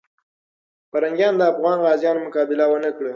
پرنګیان د افغان غازیانو مقابله ونه کړه.